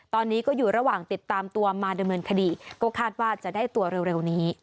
ตอนนี้ก็อยู่ระหว่างติดตามตัวมาดำเนินคดีก็คาดว่าจะได้ตัวเร็วนี้